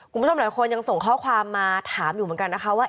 คุณผู้ชมหลายคนยังส่งข้อความมาถามอยู่เหมือนกันนะคะว่า